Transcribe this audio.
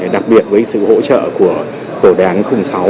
đặc biệt với sự hỗ trợ của tổ đáng sáu